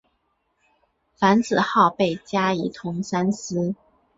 樊子鹄被加仪同三司。